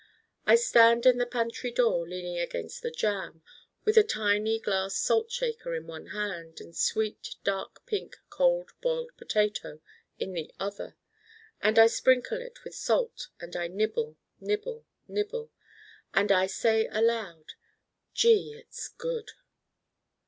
I stand in the pantry door leaning against the jamb, with a tiny glass salt shaker in one hand and the sweet dark pink Cold Boiled Potato in the other. And I sprinkle it with salt and I nibble, nibble, nibble. And I say aloud, 'Gee, it's good!